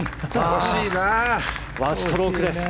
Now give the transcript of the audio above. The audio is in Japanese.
１ストロークです。